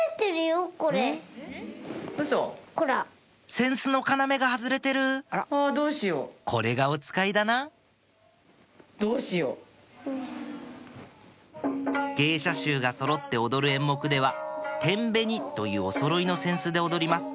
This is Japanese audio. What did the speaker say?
扇子の要が外れてるこれがおつかいだな芸者衆がそろって踊る演目では天紅というおそろいの扇子で踊ります